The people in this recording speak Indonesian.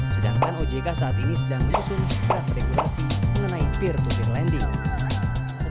sedangkan ojk saat ini sedang menyusun draft regulasi mengenai peer to peer lending